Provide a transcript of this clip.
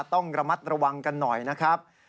ต้องระมัดระวังกันหน่อยนะครับ